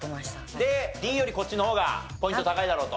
でＤよりこっちの方がポイント高いだろうと？